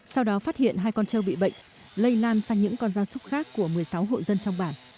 sau đó phát hiện hai con trâu bị bệnh lây lan sang những con gia súc khác của một mươi sáu hộ dân trong bản